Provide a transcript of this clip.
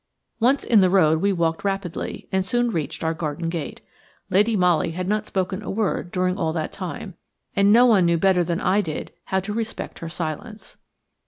Once in the road we walked rapidly, and soon reached our garden gate. Lady Molly had not spoken a word during all that time, and no one knew better than I did how to respect her silence.